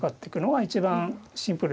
はい。